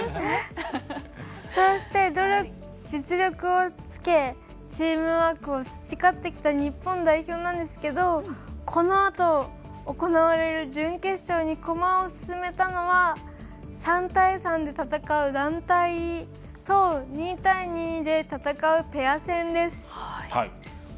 そうして実力をつけチームワークを培ってきた日本代表ですがこのあと行われる準決勝に駒を進めたのは３対３で戦う団体と２対２で戦うペア戦です。